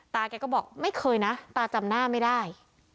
แกก็บอกไม่เคยนะตาจำหน้าไม่ได้